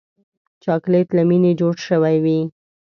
چاکلېټ له مینې جوړ شوی وي.